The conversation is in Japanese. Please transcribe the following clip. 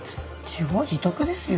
自業自得ですよ。